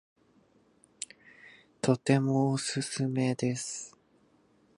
とてもおすすめです